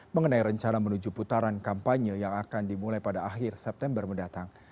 mengenai rencana menuju putaran kampanye yang akan dimulai pada akhir september mendatang